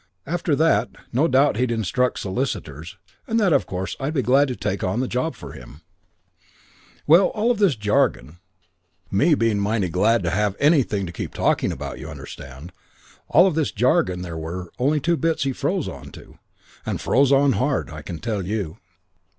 After that no doubt he'd instruct solicitors, and that of course I'd be glad to take on the job for him. "Well, of all this jargon me being mighty glad to have anything to keep talking about, you understand of all this jargon there were only two bits he froze on to, and froze on hard, I can tell you.